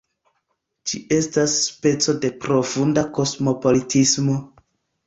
Ĝi estas speco de profunda kosmopolitismo.